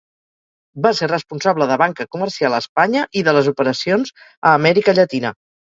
Va ser responsable de Banca comercial a Espanya i de les operacions a Amèrica Llatina.